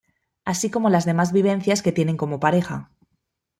Así como las demás vivencias que tienen como pareja.